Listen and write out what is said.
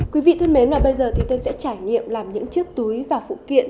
quý vị thân mến và bây giờ thì tôi sẽ trải nghiệm làm những chiếc túi và phụ kiện